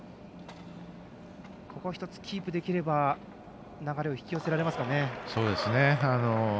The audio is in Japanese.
ここ１つキープできれば流れを引き寄せられますかね。